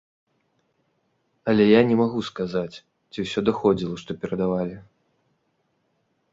Але я не магу сказаць, ці ўсё даходзіла, што перадавалі.